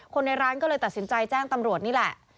คนในร้านก็เลยตัดสินใจแจ้งตำรวจนี่แหละ